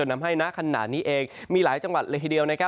ทำให้นะขนาดนี้เอง